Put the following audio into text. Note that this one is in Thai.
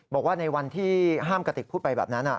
บอกว่าในวันที่ห้ามกระติกพูดไปแบบนั้น